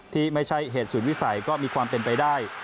ที่ไม่ใช่เหตุฉุดวิสัยก็มีความเป็นไปได้